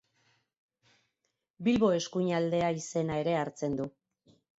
Bilbo eskuinaldea izena ere hartzen du.